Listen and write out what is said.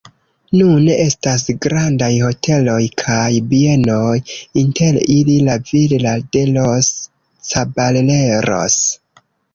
Nune estas grandaj hoteloj kaj bienoj, inter ili La Villa de los Caballeros.